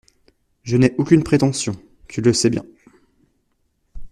Je n'ai aucune prétention, tu le sais bien.